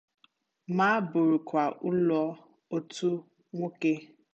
ma bụrụkwa ụlọ otu nwoke